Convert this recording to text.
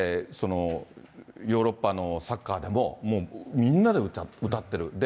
ヨーロッパのサッカーでも、もうみんなで歌ってる。